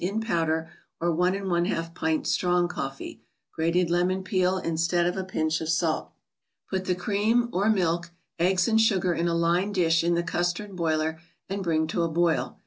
in powder, or pint strong Coffee; Grated lemon peel instead of a pinch of salt. Put the cream (or milk), eggs and sugar in a lined dish in the custard boiler and bring to a boil.